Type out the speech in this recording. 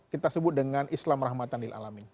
kita sebut dengan islam rahmatanil alamin